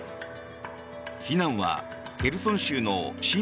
避難はヘルソン州の親